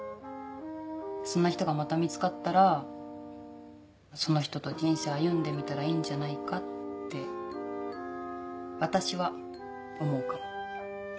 そんな人がまた見つかったらその人と人生歩んでみたらいいんじゃないかって私は思うかも。